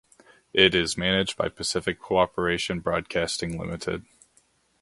It is managed by Pacific Cooperation Broadcasting Limited.